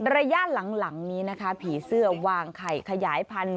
ระยะหลังนี้นะคะผีเสื้อวางไข่ขยายพันธุ